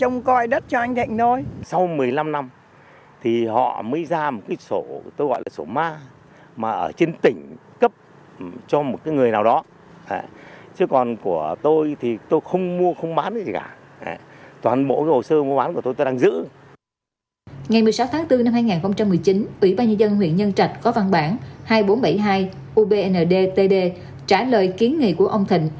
ngày một mươi sáu tháng bốn năm hai nghìn một mươi chín ủy ban nhân dân huyện nhân trạch có văn bản hai nghìn bốn trăm bảy mươi hai ubndtd trả lời kiến nghị của ông thịnh